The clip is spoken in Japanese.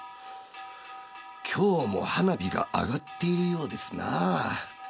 今日も花火が上がっているようですな。